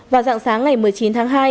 vào dặng sáng ngày một mươi chín tháng hai